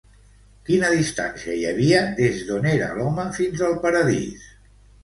Quina distància hi havia des d'on era l'home fins al Paradís?